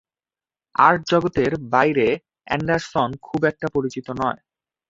Art জগতের বাইরে Anderson খুব একটা পরিচিত নয়।